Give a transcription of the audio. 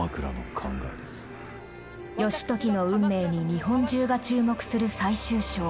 義時の運命に日本中が注目する最終章。